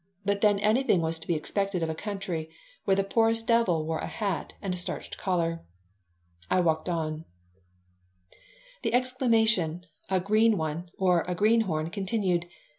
But then anything was to be expected of a country where the poorest devil wore a hat and a starched collar I walked on The exclamation "A green one" or "A greenhorn" continued.